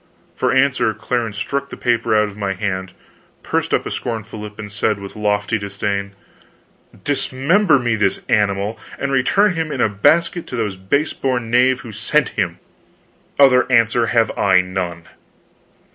For answer, Clarence struck the paper out of my hand, pursed up a scornful lip and said with lofty disdain: "Dismember me this animal, and return him in a basket to the base born knave who sent him; other answer have I none!"